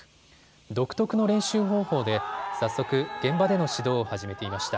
独特の練習方法で早速、現場での指導を始めていました。